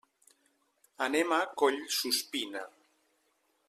Anem a Collsuspina.